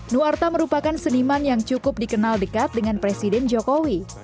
nuwarta merupakan seniman yang cukup dikenal dekat dengan presiden jokowi